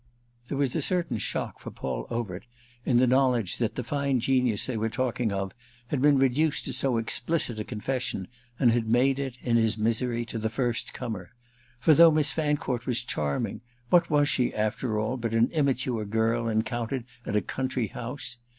There was a certain shock for Paul Overt in the knowledge that the fine genius they were talking of had been reduced to so explicit a confession and had made it, in his misery, to the first comer; for though Miss Fancourt was charming what was she after all but an immature girl encountered at a country house?